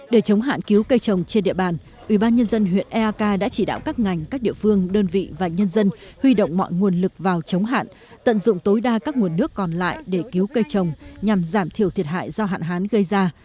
để chống hạn cứu cây trồng trên địa bàn ubnd huyện eak đã chỉ đạo các ngành các địa phương đơn vị và nhân dân huy động mọi nguồn lực vào chống hạn tận dụng tối đa các nguồn nước còn lại để cứu cây trồng nhằm giảm thiểu thiệt hại do hạn hán gây ra